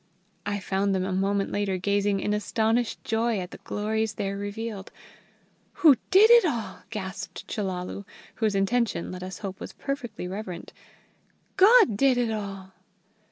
I found them a moment later gazing in astonished joy at the glories there revealed. "Who did it all?" gasped Chellalu, whose intention, let us hope, was perfectly reverent. "God did it all!"